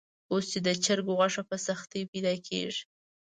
اوس چې د چرګ غوښه په سختۍ پیدا کېږي.